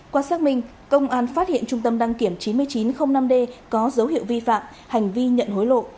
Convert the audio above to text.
qua xác minh công an phát hiện trung tâm đăng kiểm chín nghìn chín trăm linh năm d có dấu hiệu vi phạm hành vi nhận hối lộ